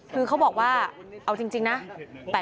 คือเขาบอกว่าเอาจริงนะ